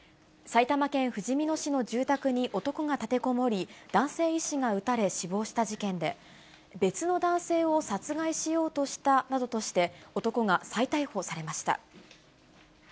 埼玉県ふじみ野市の住宅に男が立てこもり、男性医師が撃たれ死亡した事件で、別の男性を殺害しようとしたなどとして、男が再逮捕されました。